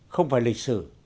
không phải lịch sử